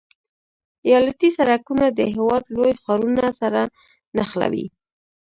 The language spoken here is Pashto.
ایالتي سرکونه د هېواد لوی ښارونه سره نښلوي